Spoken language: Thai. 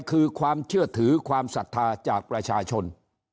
คือความเชื่อถือความศรัทธาจากประชาชน